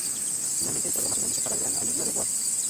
Finalmente el programa finaliza, para el gran alivio de Worf.